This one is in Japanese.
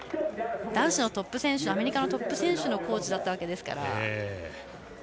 男子のトップ選手、アメリカのトップ選手のコーチだったわけですから。